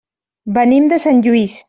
Venim de Sant Lluís.